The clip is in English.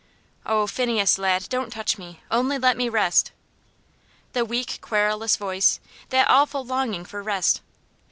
"Oh, Phineas, lad, don't touch me only let me rest." The weak, querulous voice that awful longing for rest!